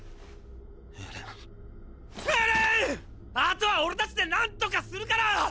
後は俺たちで何とかするから！！